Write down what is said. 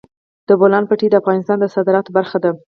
د بولان پټي د افغانستان د صادراتو برخه ده.